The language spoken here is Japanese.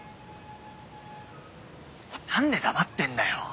何で黙ってんだよ？